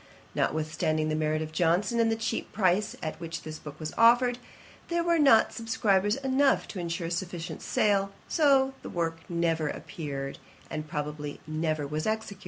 Notwithstanding the merit of Johnson, and the cheap price at which this book was offered, there were not subscribers enough to insure a sufficient sale; so the work never appeared, and probably, never was executed.